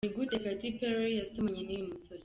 Ni gute Katy Perry yasomanye n’uyu musore?.